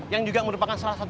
yang juga merupakan salah satu